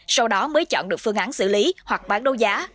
sau đó mới chọn được phương án xử lý hoặc bán đấu giá